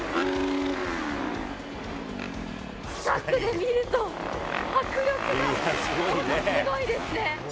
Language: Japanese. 近くで見ると、迫力がものすごいですね。